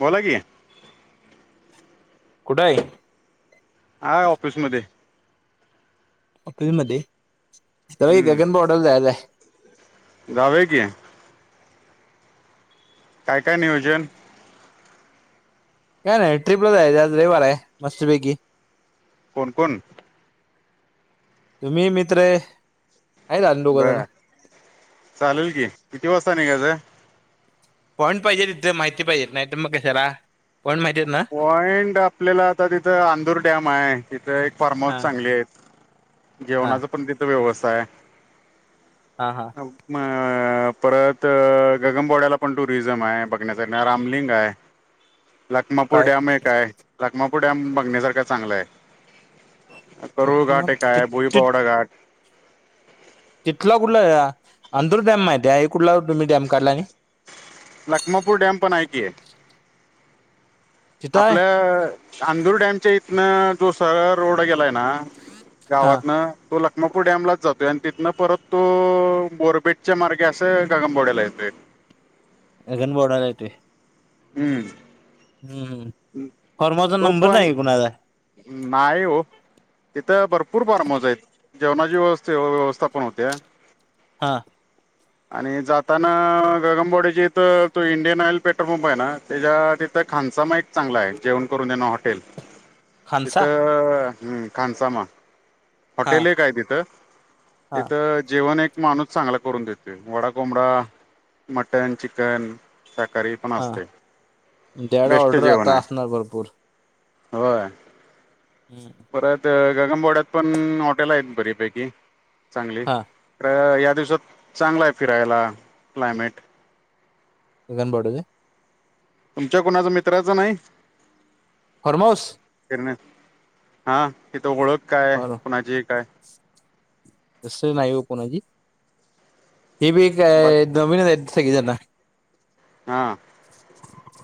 बोला की. कुठय? हाय ऑफिसमध्ये. ऑफिस मध्ये, [unintelligible] गगन बावड्याला जायचं? जाऊया की. काय-काय नियोजन? काय नाही, ट्रिपला जायचं आज रवीवार ये मस्त पैकी. कोण-कोण? तुम्ही मित्रेय बरं, चालेल की, किती वाजता निघायचं? पॉईंट पाहिजे तिथं, माहिती पाहिजे नाय त मग कशाला? पॉईंट माहितिये ना? पॉइंट आपल्याला आता तिथं, आंदूर डॅम आहे, तिथं एक फार्म हाऊस हा चांगली आहे. हा जेवणाचा पण तिथ व्यवस्थाये. हा हा. म अ परत गगन बोड्याला पण टुरिझम हाय बघण्यासाठी, रामलिंग हाय. काय मपूरडॅम एक डॅम हाय, लाखमापूर डॅम बघण्यासारखा चांगला आहे. करुळ मग घाट एक ति- काय ति- भोईपावडा घाट. तिथला कुठला अंंदूर डॅम माहिित आहे कुठला तुम्ही डॅम काढलाय. लखमापूर डॅम पण हाय की. तिथं आहे आपल्या चांदुर डॅमच्या इथनं जो सरळ रोड गेलाय ना. हा गावातन तो लाग मपूर डॅमलाच जातोय आणि तिथनं परत तो बोरबेटच्या मार्गे असं गगामबाोड्याला येतोय. अगन बोडला ते हम्म. हम्म. फॉर्माचा तो नंबर पण नाही कुणाचा नाहीय हो. तिथं भरपूर फार्म हाऊस आहेत जेवणाची व्यवस् व्यवस्था पण होत्या. हां आणि जाताना गगमबाोडी ज इथ तो इंडियन ऑइल पेट्रोल पंप आहे ना त्याच्या त्या खाचा माहि [unintelligible] चांगलं आहे जेवण करून देणं हॉटेल खानसा तिथं खानसामा हा हॉटेल एक काय तिथं हा तिथं जेवण एक माणूस चांगला करून देतोय वडा कोंबडा मटन चिकन शाकाहारी न हा असते त्याकडे बेस्ट ऑर्डर जीवन आता आहे. असणार भरपूर होय. हम्म. परत गगमबोड्यात पण हॉटेल आहेत बरीपैकी चांगली हा तर या दिवसात चांगला आहे फिरायला क्लायमेट गगन बावडा तुमच्या कोणाच्या मित्राचं नाइ? फर्मोस. हा तिथ ओळख काय फार कुणाची काय. तसं नाही हो कोणाची हे बी ब एकय नवीन आहेत सगळेजना हा.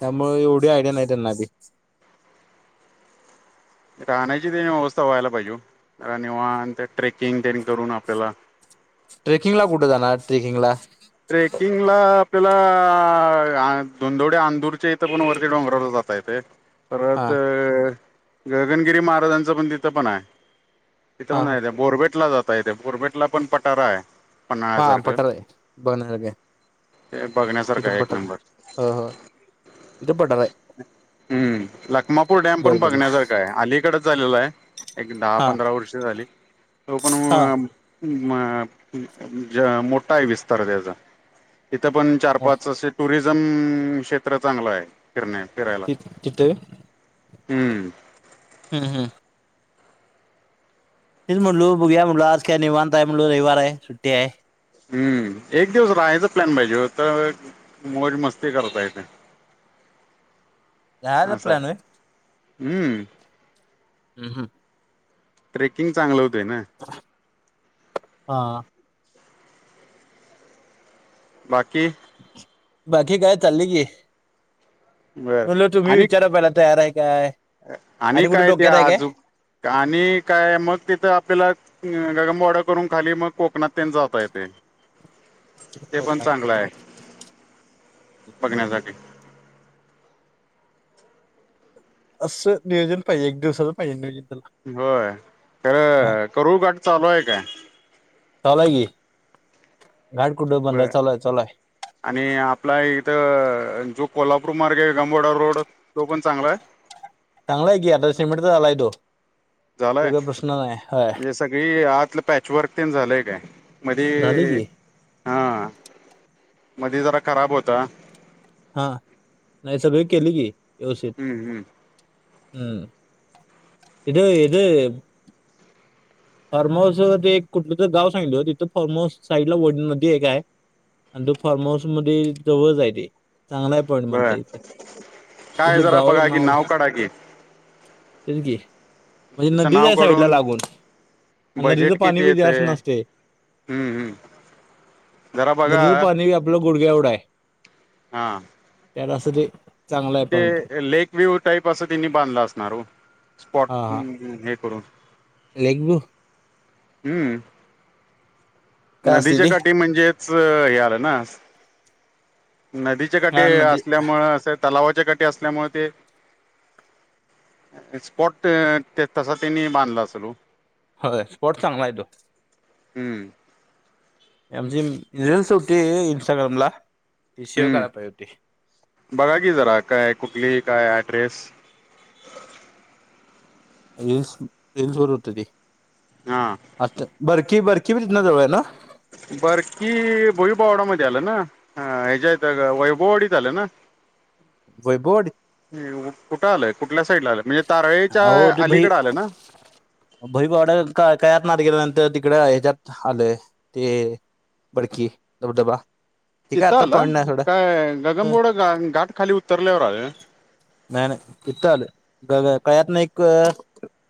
त्यामुळे एवढी आयडिया नाही त्यांना अधी राहण्याची त्यांनी व्यवस्था व्हायला पाहिजे रा निवान त्या ट्रेकिंग त्यांनी करून आपल्याला ट्रेकिंगला कुठे जाणार ट्रेकिंगला ट्रेकिंग ला आपल्याला धोनदोडे आंदूरच्या इथं पण वरती डोंगरावर जाता येते. पाफेट परत हा गगनगिरी महाराजांचं पण तिथं पण हाय. तिथं हा पण हा नाय बोरबेटला जाता येते बोरबेटला पण पटारा आहे. हा पन्हाळ्यासारखं पटर आहे बघण्यासारखं हे हे बघण्यासारखा एक नंबर. हो हो तिथं पठार आहे हम्म लखमापूर डम पण बोरबेटला बघण्यासारख हे इकडच झालेला आहे एक दहा हा पंधरा वर्ष झाली तो पण हा म्म ज्या मोठाआहे विस्तार त्याचा इथं पण चार मोठ पाच टुरिझम क्षेत्र चांगलं आहे फिरणे फिरायला. तिथे हम्म. हम्म. तेच म्हटलू बघया म्हणलं आज काय निवांतय म्हणल रविवार आहे सुट्टी आहे. हम्म एक दिवस राहायचं प्लॅन पाहिजे तर मोज मस्ती करता येते. [inaudible] असाय प्लॅन होय हम्म हम्म ट्रेकिंग चांगलं होतय ना. [unintelligible] हा बाकी बाकी काय चालली की. बर म्हलं तुम्ही आणि विचारा पहिला तयार आहे काय. आणि कुठे काय ते डोक्यात आहे आजू आणि काय मग तिथं आपल्याला ग मोडा करून खाली मग कोकणात त्यां जात येतय. ते पण काय चांगलं आहे बघण्यासाठी. असं नियोजन पाहिजे एक दिवसाच पाहिजे नियोजन त्याला. होय खर करू गठ चालू आहे काय? चलाय की घाट कुठ बंदा बरं चलाय चलाय. आणि आपला इथं जो कोल्हापूर मार्ग आहे गमभोडा रोड तो पण चांगला आहे. चांगलाय की आता सिमेंटच झालाय तो. यो झालाय काय प्रश्न नाही. हय म्हणजे सगळी आतलं पॅच वर्क ते झालंय काय मधी झाली की हा मध्ये जरा खराब होता. हा नाही सगळी केली की व्यवस्थित. हम्म हम्म हम् इथ इथ फार्म हाऊस ते एक कुठलं तर गाव सांगितलं तिथं फॉ्ममाऊस साईडला वडमध्येध्ये एक आहे. आणि तु फार्म हाऊसमध्येध्ये जाव जाय दे चांगल म्ह बर य उठल काय जरा गावाला बघा की नावल नाव काढा की ते की म्हणजे तिथं नदीच नाव आहे साईड ला काढून लागून. नदीच बजेट पाणी किती बी जास्त येतय नसते. हम्म हम्म जरा बघा नदीच पाणी आपलं गुडघ्या एवढा आहे. हा त्यारासर ते लेक व्ह्यू टाईप असं त्यांनी बांधलं असणार हो स्पॉट हे करून लगबो हम्म काय असते नदीच्या ते काठी म्हणजेच हे आलं ना? नदीच्या काठी हा नदी असल्यामु असे तलावाच्या काठी असल्यामुळे ते स्पॉट तसा त्यांनी बांधला असल ओ. हो स्पोर्टस चांगला आहे तो. हम्म आमचे रीलस होते इंस्टाग्रामला ते शेव्ह कराय हम्म पाहिजे होती. बघा की जरा काय कुठली काय ऍड्रेस रिल्स रिल्सवर होत ते. हा अचछ बरकी बरकी बी जितना जवळ आहे ना. बरकी भोईभवडामध्येध्ये आलं ना, ह्याच्यात वैभवाडीत आलं ना? वै बोर्ड. कुठं आलंय कुठल्या साईडला आलं म्हणजे तारळेच्या अहो ते अलीकडे आलंय ना? भई [unintelligible] गड कायत ना आत गेल्या नंतर तिकडे ह्याच्यात आलंय ते. बडकी दबदबा. तिथं आला काय गगनबावडा घा घाट खाली उतरल्यावर आ नाही नाही इथ आलं. ग कळ्यातन एक अ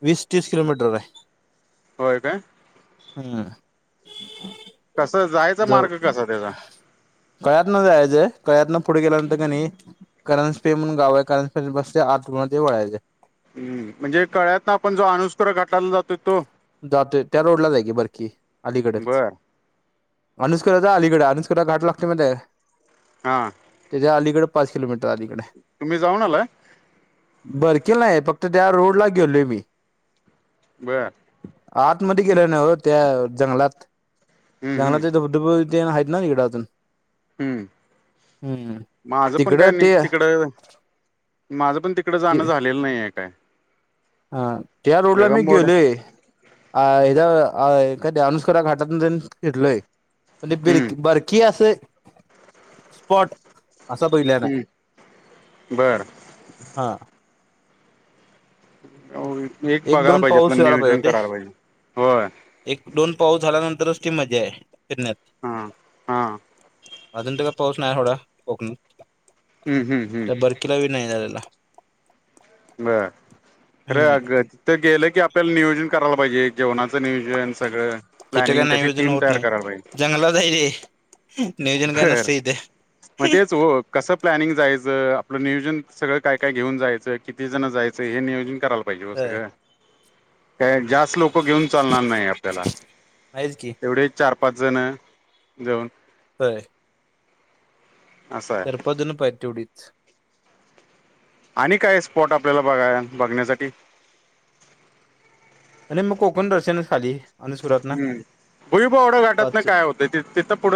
वीस, तीस किलोमीटर आहे. होय काय? हम् कसं जायचा ज मार्ग [inaudible] कसा त्याचा कळ्यात न जायजे कळ्यातन पुढे गेल्यानंतर का नाय. करंजपे म्हनुण गाव आहे करंजपे बस्ती आत मद्ये वळायचे. हम्म म्हणजे कळ्यातन आपण जो अनुषकर घाटायला जातो तो. जातोय त्या रोड लाच आहे की बरकी अलीकडच. बर अनुषकराच्या अलीकडे अनुषकरा घाट लागतोय माहितीय काय? हां. तेज्या अलीकड पाच किलोमीटर अलीकडय. तुम्ही जाऊन आलाय बरकीलाय फक्त त्या रोड ला गेलोय मी. बरं. आतमध्ये गेल्यालो नाही ओ त्या जंगलात [unintelligible] [unintelligible] हम्म हायत हम्म ना तिकडं अजून. हम् हम्म माझ पण काय तिकडं ते नीट तिकडं माझं पण ती. तिकड जाणं ते झालेलं नाहये काय. हा त्या रोडला मी गगमबोर्ड गेलोय. अदा अ काय ते अनुस्करा घाटातन तेन फिरलोय. पण ते बर हम्म बर्की अस स्पॉट असा बघितल्याला नाही हम्म हा. एक बघायला दोन पाहिजे पाऊस आपलं व्हायला पाहिजे निरिक्षण होते करायला पाहिजे होय. एक दोन पाऊस झाल्यानंतरच ती मजा आहे फिरण्यात. हा हा. अजून त काय पाऊस नाहीये एवढं कोकणात. हम्म हम्म हम्म. [unintelligible] नाही झालेला. बर खर हम्म ग अ तिथ गेलं की आपल्याला नियोजन करायला पाहिजे. जेवणाचं नियोजन सगळं तिथे काय प्लॅनिंग तशी नियोजन टीम होत तयार नाही करायला पाहिजे. जंगलात आहे रे नियोजन काय बर नसते इथे म तेच ओ. कसं प्लॅनिंग जायचं आपलं नियोजन सगळं काय काय घेऊन जायचं किती जण जायचं हे नियोजन कराला पाहिजे ओ होय सगळं काय जास्त च लोकं घेऊन चालणार नाही आपल्याला आहेच की तेवढे चार, पाच जण जाऊन होय. असं आर आहे बदल ना पाईप तेवढी. [unintelligible] आणि काय स्पॉट आपल्याला बघा बघण्यासाठी? आणि मग कोकण दर्शन च खाली. आणि सुरात ना हम बुई भावडा [unintelligible] घाटातन पाच काय होतय ति तिथं पुढ